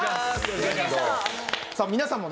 皆さんもね